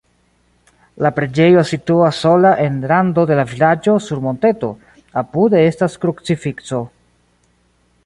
La preĝejo situas sola en rando de la vilaĝo sur monteto, apude estas krucifikso.